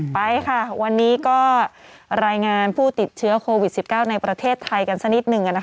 ไปค่ะวันนี้ก็รายงานผู้ติดเชื้อโควิด๑๙ในประเทศไทยกันสักนิดหนึ่ง